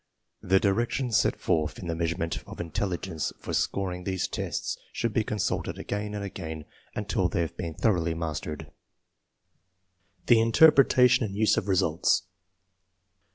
The directions set forth in The Meas urement of Intelligence for scoring these tests should be consulted again and again until they have been thoroughly mastered. The Interpretation and use of results.